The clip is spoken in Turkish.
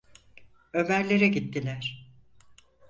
Ömer'lere gittiler.